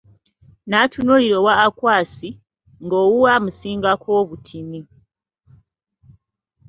N'atunuulira owa Akwasi, nga owuwe amusinga ko obutini.